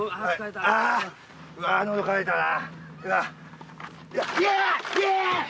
あー、のど渇いたな。